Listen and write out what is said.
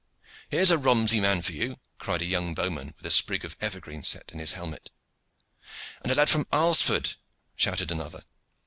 "Here's a Romsey man for you!" cried a young bowman with a sprig of evergreen set in his helmet. "And a lad from Alresford!" shouted another.